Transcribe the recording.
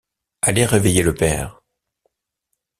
Allez réveiller le père.